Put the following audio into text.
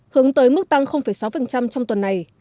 hướng tới mức tăng sáu trong tuần này